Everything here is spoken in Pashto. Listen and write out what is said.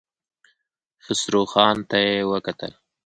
خسرو خان ته يې وکتل.